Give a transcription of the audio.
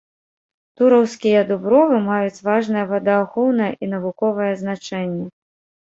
Тураўскія дубровы маюць важнае водаахоўнае і навуковае значэнне.